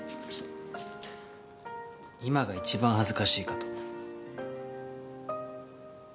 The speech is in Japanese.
今が一番恥ずかしいかと。